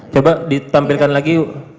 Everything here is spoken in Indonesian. coba ditampilkan lagi yuk